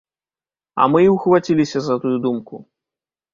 А мы і ўхваціся за тую думку.